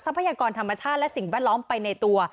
พยากรธรรมชาติและสิ่งแวดล้อมไปในตัว